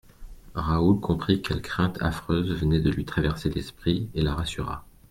Raoul comprit quelle crainte affreuse venait de lui traverser l'esprit et la rassura.